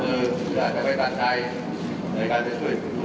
เพราะทางนี้ผมไม่ได้ประพันธ์เท่าไหร่มาเป็นการเชิญ